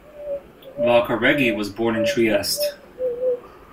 Valcareggi was born in Trieste.